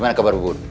gimana kabar bu bun